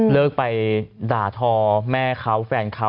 เลิกไปด่าทอแม่เขาแฟนเขา